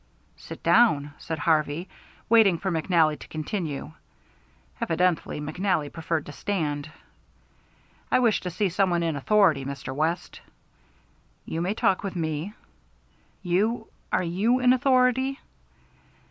"Sit down," said Harvey, waiting for McNally to continue. Evidently McNally preferred to stand. "I wish to see some one in authority, Mr. West." "You may talk with me." "You are you in authority?"